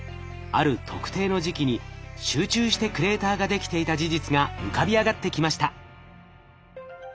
ある特定の時期に集中してクレーターができていた事実が浮かび上がってきました。